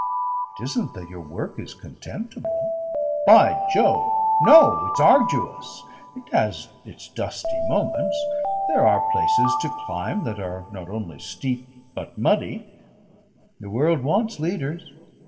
"It isn't that your work is contemptible." "By Jove! No. It's arduous. It has its dusty moments. There are places to climb that are not only steep but muddy " "The world wants leaders.